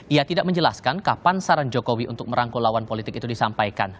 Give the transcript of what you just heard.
ia tidak menjelaskan kapan saran jokowi untuk merangkul lawan politik itu disampaikan